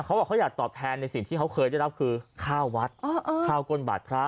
เขาบอกเขาอยากตอบแทนในสิ่งที่เขาเคยได้รับคือข้าววัดข้าวก้นบาทพระ